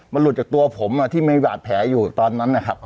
มันหลุดจากตัวผมที่มีบาดแผลอยู่ตอนนั้นนะครับ